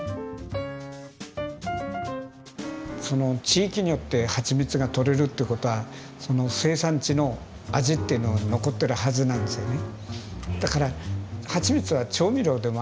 その地域によってはちみつが採れるってことはその生産地の味っていうのが残ってるはずなんですよね。